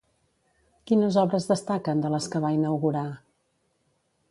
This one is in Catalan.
Quines obres destaquen, de les que va inaugurar?